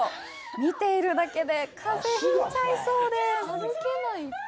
見ているだけで風邪、引いちゃいそうです。